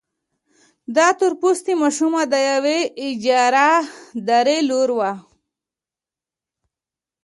دا تور پوستې ماشومه د يوې اجارهدارې لور وه.